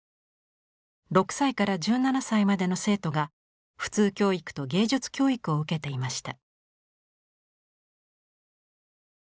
６歳から１７歳までの生徒が普通教育と芸術教育を受けていました。